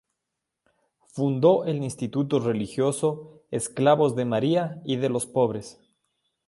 Fundó del Instituto Religioso Esclavos de María y de los Pobres.